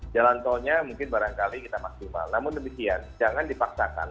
jalan tolnya mungkin barangkali kita maksimal namun demikian jangan dipaksakan